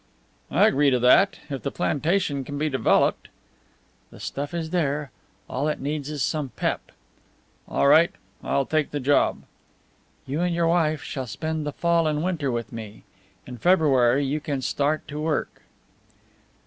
"I agree to that if the plantation can be developed." "The stuff is there; all it needs is some pep." "All right, I'll take the job." "You and your wife shall spend the fall and winter with me. In February you can start to work."